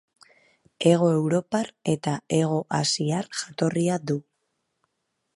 Hego Europar eta Hego Asiar jatorria du.